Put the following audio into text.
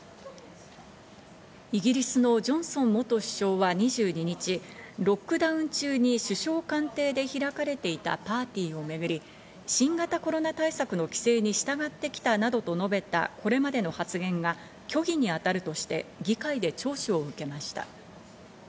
イギリスのジョンソン元首相は２２日、ロックダウン中に首相官邸で開かれていたパーティーをめぐり、新型コロナ対策の規制に従ってきたなどと述べた、これまでの発言が虚偽にあたるとして議会で聴取を受けました。